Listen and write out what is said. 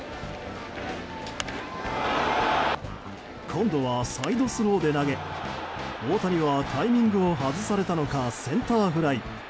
今度はサイドスローで投げ大谷はタイミングを外されたのかセンターフライ。